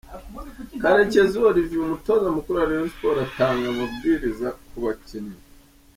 Karekezi Olivier umutoza mukuru wa Rayon Sports atanga amabwiriza ku bakinnyi.